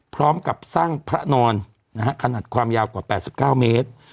พร้อมกับสร้างพระนอนนะฮะขนาดความยาวกว่า๘๙เมตร